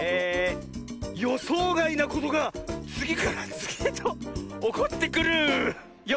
「よそうがいなことがつぎからつぎへとおこってくるよ！」。